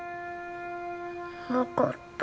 分かった。